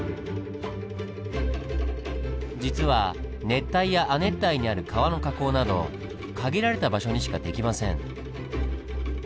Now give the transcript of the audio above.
実は熱帯や亜熱帯にある川の河口など限られた場所にしか出来ません。